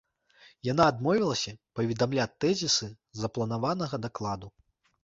Яна адмовілася паведамляць тэзісы запланаванага дакладу.